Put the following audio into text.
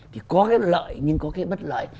thì có cái lợi nhưng có cái bất lợi